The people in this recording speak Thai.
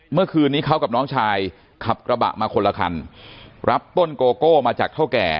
เมื่อคืนนี้เขากับน้องชายขับกระบะมาคนละคันรับต้นโกโก้มาจากเท่าแก่